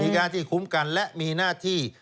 หน้าที่คุ้มกันและมีหน้าที่